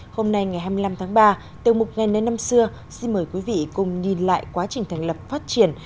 hôm nay ngày hai mươi năm tháng ba từ mục ngay đến năm xưa xin mời quý vị cùng nhìn lại quá trình thành lập phát triển